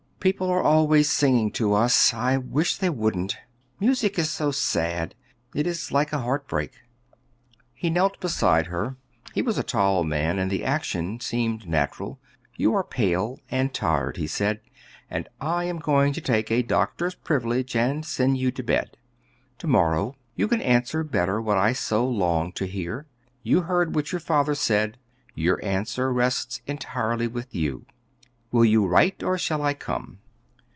"People are always singing to us; I wish they wouldn't. Music is so sad; it is like a heart break." He knelt beside her; he was a tall man, and the action seemed natural. "You are pale and tired," he said; "and I am going to take a doctor's privilege and send you to bed. To morrow you can answer better what I so long to hear. You heard what your father said; your answer rests entirely with you. Will you write, or shall I come?"